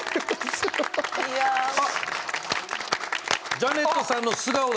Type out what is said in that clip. ジャネットさんの素顔が。